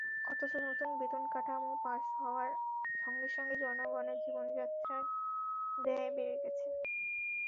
অথচ নতুন বেতনকাঠামো পাস হওয়ার সঙ্গে সঙ্গে জনগণের জীবনযাত্রার ব্যয় বেড়ে গেছে।